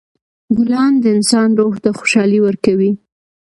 ګلان د انسان روح ته خوشحالي ورکوي.